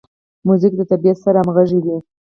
موزیک د طبیعت سره همغږی وي.